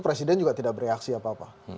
presiden juga tidak bereaksi apa apa